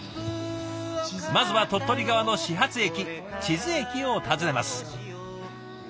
まずは鳥取側の始発駅智頭駅を訪ねます。